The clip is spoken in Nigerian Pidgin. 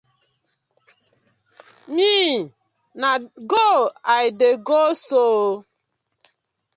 Me na go I dey go so ooo.